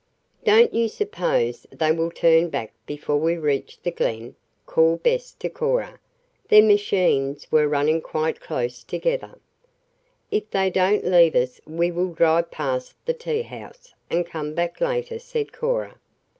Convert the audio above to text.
"Don't you suppose they will turn back before we reach the Glen?" called Bess to Cora. Their machines were running quite close together. "If they don't leave us we will drive past the teahouse, and come back later," said Cora.